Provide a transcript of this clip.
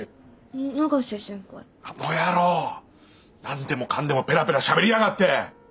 何でもかんでもペラペラしゃべりやがって！